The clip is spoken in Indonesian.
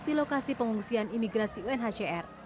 di lokasi pengungsian imigrasi unhcr